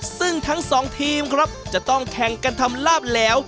ซึ่งทั้งสองทีมครับจะต้องแข่งกันทำลาบแล้ว